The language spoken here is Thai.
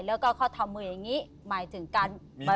แล้วก็เขาทำมืออย่างนี้หมายถึงการ